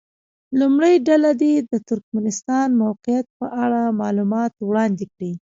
لومړۍ ډله دې د ترکمنستان موقعیت په اړه معلومات وړاندې کړي.